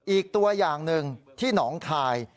อีกตัวอย่างหนึ่งที่หนองคาย